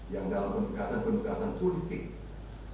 yang dalam penugasan penugasan politik